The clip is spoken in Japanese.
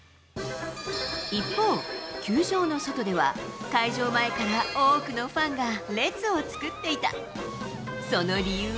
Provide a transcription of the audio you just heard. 一方、球場の外では、開場前から多くのファンが列を作っていた。